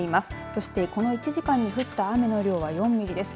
そして、この１時間に降った雨の量は４ミリです。